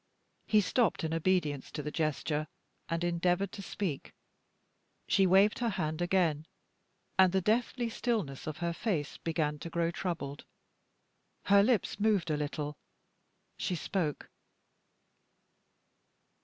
He stopped in obedience to the gesture, and endeavored to speak. She waved her hand again, and the deathly stillness of her face began to grow troubled. Her lips moved a little she spoke.